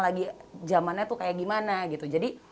lagi zamannya tuh kayak gimana gitu jadi